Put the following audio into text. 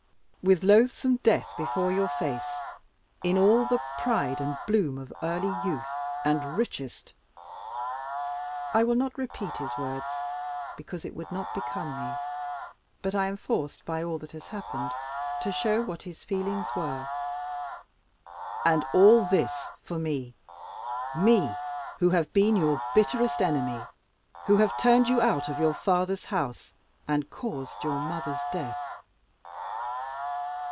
With loathsome death before your face, in all the pride and bloom of early youth and richest " I will not repeat his words, because it would not become me; but I am forced by all that has happened to show what his feelings were. "And all this for me me who have been your bitterest enemy, who have turned you out of your father's house, and caused your mother's death!"